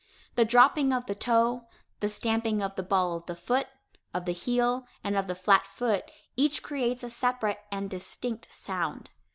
The dropping of the toe, the stamping of the ball of the foot, of the heel, and of the flat foot, each creates a separate and distinct sound.